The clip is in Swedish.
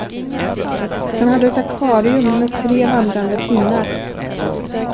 Han hade ett akvarium med tre vandrande pinnar.